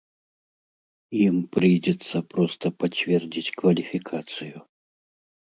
Ім прыйдзецца проста пацвердзіць кваліфікацыю.